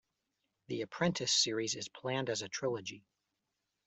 The "Apprentice" series is planned as a trilogy.